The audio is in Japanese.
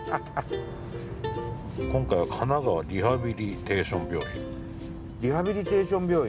今回は神奈川リハビリテーション病院。